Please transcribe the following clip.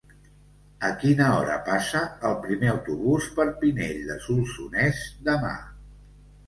A quina hora passa el primer autobús per Pinell de Solsonès demà?